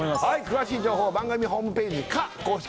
詳しい情報番組ホームページか公式